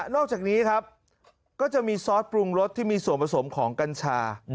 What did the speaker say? อกจากนี้ครับก็จะมีซอสปรุงรสที่มีส่วนผสมของกัญชา